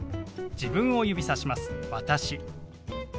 自分を指さします「私」。